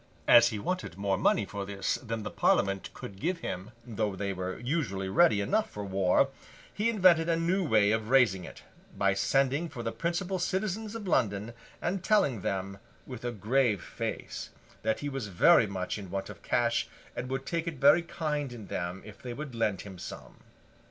As he wanted more money for this purpose than the Parliament could give him, though they were usually ready enough for war, he invented a new way of raising it, by sending for the principal citizens of London, and telling them, with a grave face, that he was very much in want of cash, and would take it very kind in them if they would lend him some.